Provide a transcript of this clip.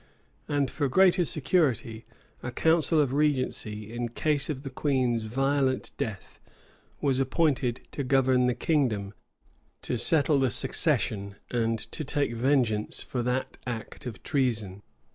And for greater security, a council of regency, in case of the queen's violent death, was appointed to govern the kingdom, to settle the succession, and to take vengeance for that act of treason.